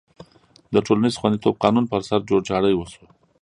د ټولنیز خوندیتوب قانون پر سر جوړجاړی وشو.